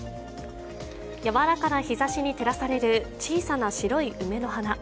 柔らかな日ざしに照らされる小さな白い梅の花。